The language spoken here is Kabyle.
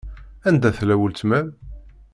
Anda tella weltma-m?